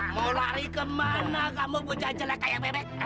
mau lari kemana kamu bujah jelek kayak bebek